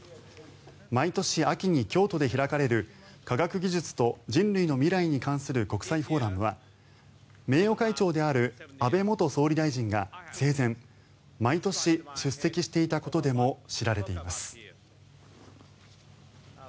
毎年秋に京都で開かれる科学技術と人類の未来に関する国際フォーラムは名誉会長である安倍元総理大臣が生前毎年出席していたことでも知られています。